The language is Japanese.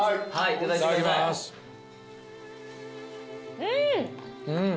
うん！